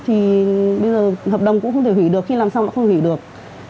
thì bây giờ hợp đồng cũng không thể hủy được khi làm xong nó không hủy được